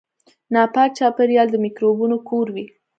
ناپاک چاپیریال د میکروبونو کور وي.